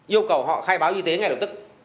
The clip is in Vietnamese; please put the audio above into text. yêu cầu họ khai báo y tế ngay lập tức